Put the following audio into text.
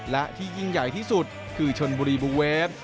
และที่ยิ่งใหญ่ที่สุดคือชนบุรีบูเวฟ